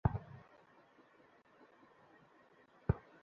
এই এসি ওদিকে, সরাসরি চালু না।